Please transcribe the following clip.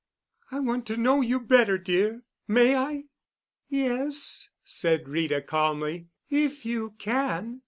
I want to know you better, dear. May I?" "Yes," said Rita calmly, "if you can.